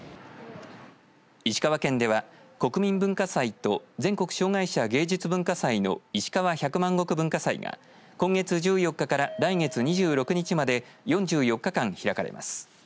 石川県では国民文化祭と全国障害者芸術・文化祭のいしかわ百万石文化祭が今月１４日から来月２６日まで４４日間開かれます。